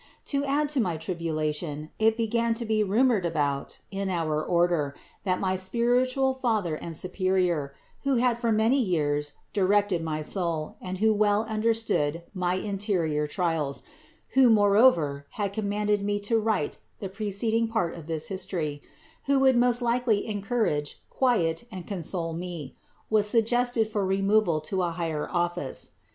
To add to my tribulation, it began to be rumored about in our order, that my spiritual father and superior, who had for many years directed my soul and who well understood my interior trials, who moreover had commanded me to write the preceding part of this history, who would most likely encourage, quiet, and console me, was suggested for removal to a higher office.